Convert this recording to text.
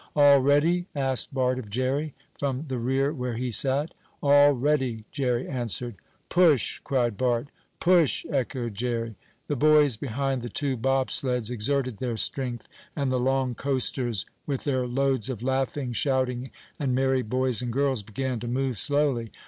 "All ready?" asked Bart of Jerry, from the rear where he sat. "All ready," Jerry answered. "Push!" cried Bart. "Push!" echoed Jerry. The boys behind the two bobsleds exerted their strength, and the long coasters, with their loads of laughing, shouting and merry boys and girls, began to move slowly.